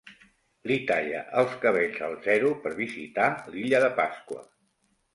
Li talla els cabells al zero per visitar l'illa de Pasqua.